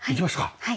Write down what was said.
はい。